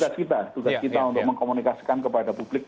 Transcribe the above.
itu tugas kita untuk mengkomunikasikan kepada publik